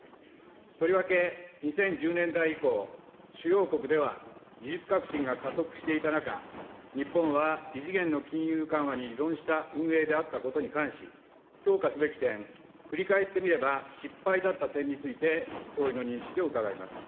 とりわけ、２０１０年代以降、主要国では、技術革新が加速していた中、日本は異次元の金融緩和に依存した運営であったことに関し、評価すべき点、振り返ってみれば失敗だった点について、総理の認識を伺います。